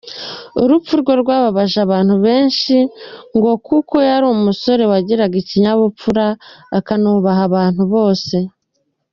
Urupfu rwe rwababaje abantu benshi ngo kuko yari umusore wagiraga ikinyabupfura, akanubaha abantu bose.